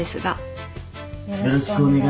よろしくお願いします